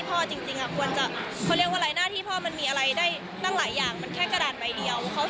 เพราะว่าหน้าที่พ่อจริงภวร์เ